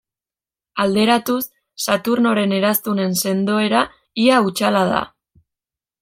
Alderatuz, Saturnoren eraztunen sendoera ia hutsala da.